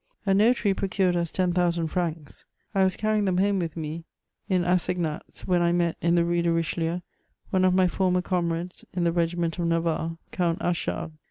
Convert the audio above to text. A notary procured us 10,000 francs. I was c»rying them home with me, in assignats, when I met, in the Rue de Riche lieu, one of my former comrades in the regiment of Navarre, Count Achard.